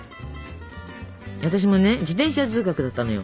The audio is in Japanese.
私もね自転車通学だったのよ。